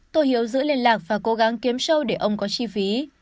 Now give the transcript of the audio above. tô hiếu giữ liên lạc và cố gắng kiếm show để ông có chi phí